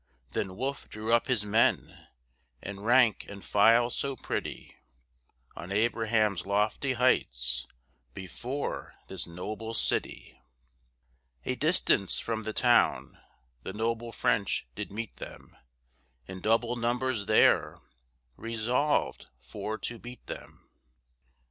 Then Wolfe drew up his men, In rank and file so pretty, On Abraham's lofty heights, Before this noble city. A distance from the town The noble French did meet them, In double numbers there, Resolved for to beat them.